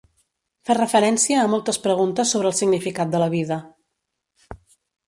Fa referència a moltes preguntes sobre el significat de la vida.